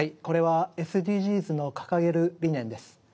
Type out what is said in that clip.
これはＳＤＧｓの掲げる理念です。